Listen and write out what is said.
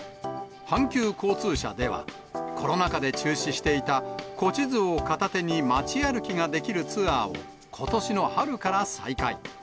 阪急交通社では、コロナ禍で中止していた古地図を片手に街歩きができるツアーを、ことしの春から再開。